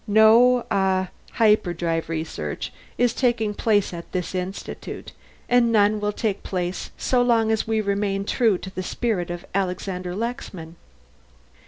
No ah hyperdrive research is taking place at this institute, and none will take place so long as we remain true to the spirit of Alexander Lexman."